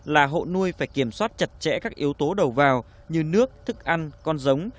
là hộ nuôi phải kiểm soát chặt chẽ các yếu tố đầu vào như nước thức ăn con giống